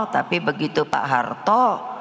tapi begitu pak harto